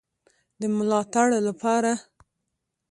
د ملاتړ لپاره